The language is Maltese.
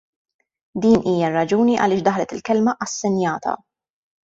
Din hija r-raġuni għaliex daħlet il-kelma " assenjata ".